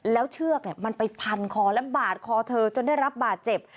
แล้วเชือกมันไปพันคอและบาดคอเธอจนได้รับบาดเจ็บ